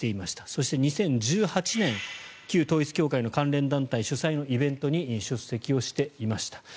そして２０１８年旧統一教会の関連団体主催のイベントに出席をしていました。